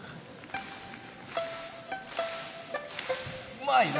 うまいな！